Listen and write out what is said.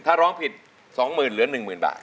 ถ้าร้องผิด๒หมื่นเหลือ๑หมื่นบาท